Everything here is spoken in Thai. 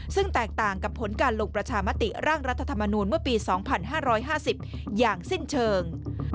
ซึ่งแตกต่างกับผลการลงประชามติร่างรัฐธรรมนูลเมื่อปี๒๕๕๐อย่างสิ้นเชิง